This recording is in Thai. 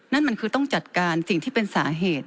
นั่นมันคือต้องจัดการสิ่งที่เป็นสาเหตุ